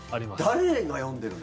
誰が読んでるの？